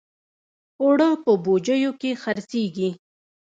اوړه په بوجیو کې خرڅېږي